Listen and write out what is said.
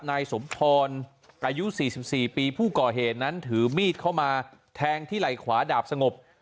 นายสมพรอายุ๔๔ปีผู้ก่อเหตุนั้นถือมีดเข้ามาแทงที่ไหล่ขวาดาบสงบ